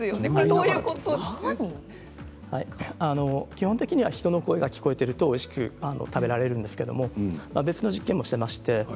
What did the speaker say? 基本的には人の声が聞こえているとおいしく食べられるんですけど別の実験もしていまして。